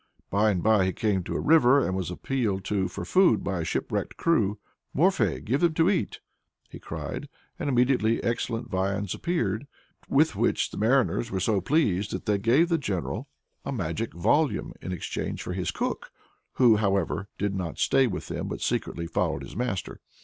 By and by he came to a river and was appealed to for food by a shipwrecked crew. "Morfei, give them to eat!" he cried, and immediately excellent viands appeared, with which the mariners were so pleased that they gave the general a magic volume in exchange for his cook who, however, did not stay with them but secretly followed his master.